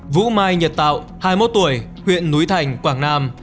vũ mai nhật tạo hai mươi một tuổi huyện núi thành quảng nam